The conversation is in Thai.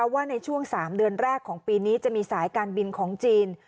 ว่าในช่วง๓เดือนแรกของปีนี้จะมีสายการบินของจีน